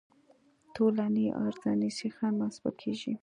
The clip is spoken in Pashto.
طولاني او عرضاني سیخان محاسبه کیږي